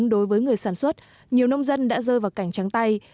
đối với người sản xuất nhiều nông dân đã rơi vào cảnh trắng tay